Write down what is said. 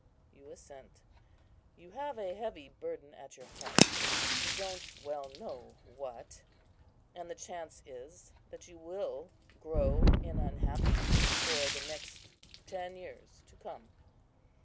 you assent. You have a heavy burden at your heart, you don't well know what. And the chance is, that you will grow in unhappiness for the next ten years to come.